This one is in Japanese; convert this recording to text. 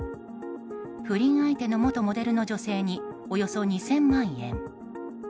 不倫相手の元モデルの女性におよそ２０００万円。